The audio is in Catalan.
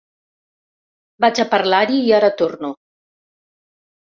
Vaig a parlar-hi i ara torno.